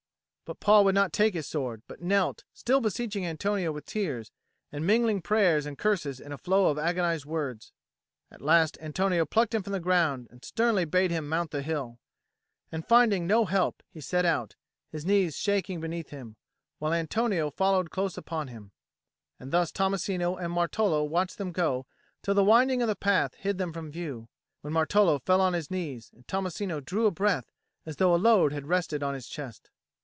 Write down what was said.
But Paul would not take his sword, but knelt, still beseeching Antonio with tears, and mingling prayers and curses in a flow of agonised words. At last Antonio plucked him from the ground and sternly bade him mount the hill; and finding no help, he set out, his knees shaking beneath him, while Antonio followed close upon him. And thus Tommasino and Martolo watched them go till the winding of the path hid them from view, when Martolo fell on his knees, and Tommasino drew a breath as though a load had rested on his chest.